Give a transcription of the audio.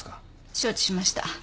承知しました。